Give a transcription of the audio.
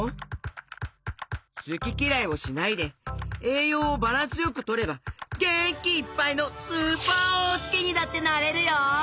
すききらいをしないでえいようをバランスよくとればげんきいっぱいのスーパーおうすけにだってなれるよ！